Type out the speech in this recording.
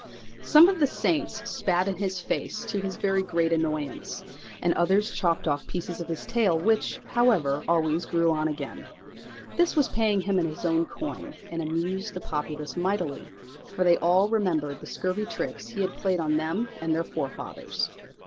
Some of the saints spat in his face, to his very great annoyance; and others chopped pieces off of his tail, which, however, always grew on again. This was paying him in his own coin, and amused the populace mightily, for they all remembered the scurvy tricks he had played them and their forefathers.